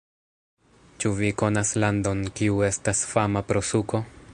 Ĉu vi konas landon, kiu estas fama pro suko?